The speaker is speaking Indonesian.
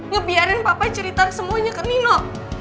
ngebiarin papa cerita semuanya ke nino